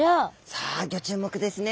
さあギョ注目ですね。